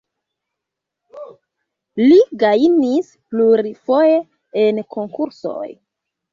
Li gajnis plurfoje en konkursoj.